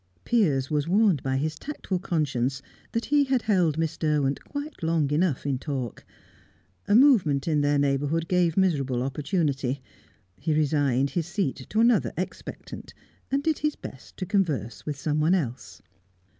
Piers was warned by his tactful conscience that he had held Miss Derwent quite long enough in talk. A movement in their neighbourhood gave miserable opportunity; he resigned his seat to another expectant, and did his best to converse with someone else.